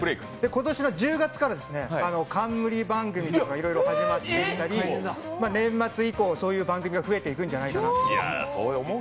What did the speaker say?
今年の１０月から冠番組とか始まってみたり年末以降、そういう番組が増えていくんじゃないかと。